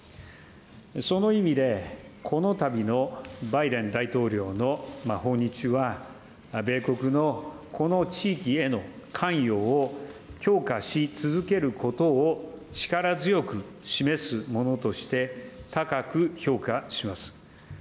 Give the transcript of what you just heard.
その意味で、このたびのバイデン大統領の訪日は、米国のこの地域への関与を強化し続けることを力強く示すものとして、高く評価します。